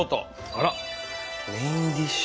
あらメインディッシュ。